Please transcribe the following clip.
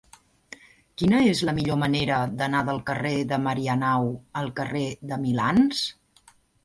Quina és la millor manera d'anar del carrer de Marianao al carrer de Milans?